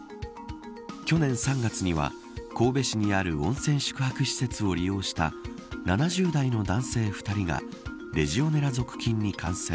去年３月には神戸市にある温泉宿泊施設を利用した７０代の男性２人がレジオネラ属菌に感染。